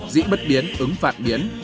dĩ bất biến ứng phạt biến